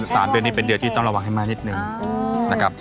ตามเดือนนี้เป็นเดือนที่ต้องระวังให้มานิดนึง